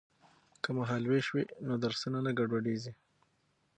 که مهال ویش وي نو درسونه نه ګډوډیږي.